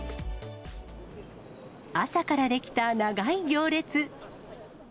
朝から出来た長い行列。